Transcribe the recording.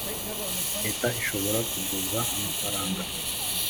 Leta ishobora kuguza amafaranga